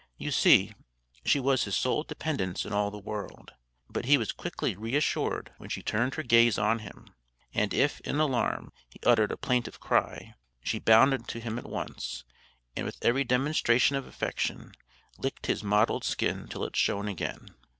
You see, she was his sole dependence in all the world. But he was quickly reassured when she turned her gaze on him; and if, in alarm, he uttered a plaintive cry, she bounded to him at once, and, with every demonstration of affection, licked his mottled skin till it shone again.